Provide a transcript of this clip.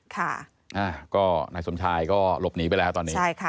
ก็นายสมชายก็หลบหนีไปแล้วตอนนี้